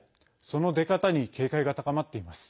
その出方に警戒が高まっています。